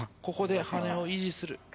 ここで羽根を維持する。